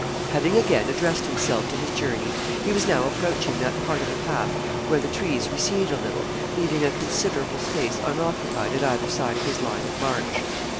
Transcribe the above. Having again addressed himself to his journey, he was now approaching that part of the path where the trees recede a little, leaving a considerable space unoccupied at either side of his line of march.